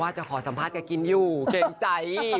จะขอสัมภาษณ์แกกินอยู่เกรงใจ